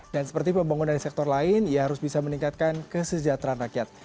dan seperti pembangunan sektor lain ya harus bisa meningkatkan kesejahteraan rakyat